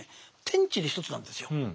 天地で一つなんですよ。